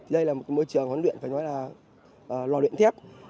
đây là một môi trường huấn luyện phải nói là lo luyện thiếp